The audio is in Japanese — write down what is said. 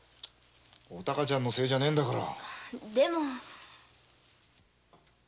お孝ちゃんのせいじゃねぇんだから。